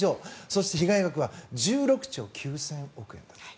そして被害額は１６兆９０００億円だった。